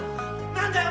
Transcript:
何だよ？